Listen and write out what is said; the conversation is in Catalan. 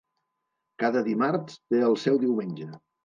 Cada dimarts té el seu diumenge.